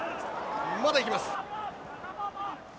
まだ行きます。